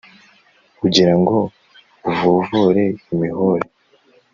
Ugira ngo uvovore imihore